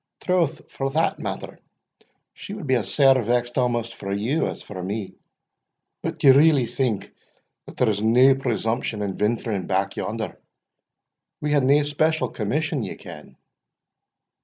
"Troth, for that matter, she would be as sair vexed amaist for you as for me. But d'ye really think there's nae presumption in venturing back yonder? We hae nae special commission, ye ken."